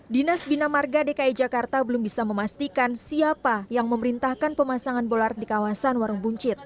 dinas bina marga dki jakarta belum bisa memastikan siapa yang memerintahkan pemasangan bolart di kawasan warung buncit